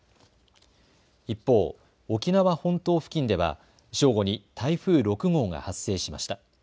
一方、沖縄本島付近では正午に台風６号が発生しました。